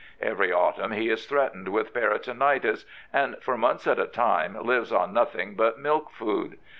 Every autumn he is threatened with p^ailonitis, and for months at a time lives on nothing but milk food.